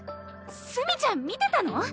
墨ちゃん見てたの？